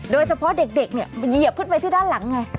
โดยเฉพาะเด็กเนี่ยเหยียบขึ้นไปที่ด้านหลังไง